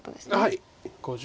はい。